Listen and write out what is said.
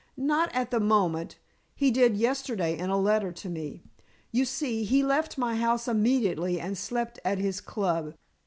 "Not at the moment. He did yesterday in a letter to me. You see, he left my house immediately and slept at his club.